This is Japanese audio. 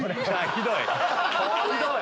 ひどい！